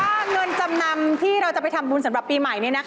แล้วก็บอกว่าเงินจำนำที่เราจะไปทำบุญสำหรับปีใหม่นี่นะคะ